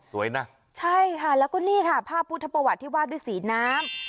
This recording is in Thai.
สวยนะใช่ค่ะแล้วก็นี่ค่ะภาพพุทธประวัติที่วาดด้วยสีน้ำ